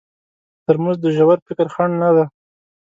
ترموز د ژور فکر خنډ نه دی.